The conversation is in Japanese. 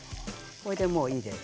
これでもういいです。